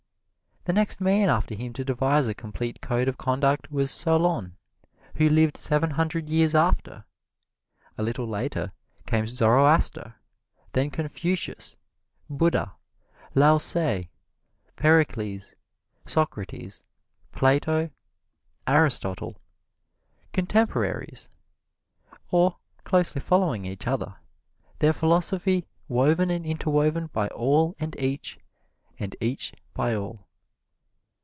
The next man after him to devise a complete code of conduct was Solon, who lived seven hundred years after. A little later came Zoroaster, then Confucius, Buddha, Lao tsze, Pericles, Socrates, Plato, Aristotle contemporaries, or closely following each other, their philosophy woven and interwoven by all and each and each by all.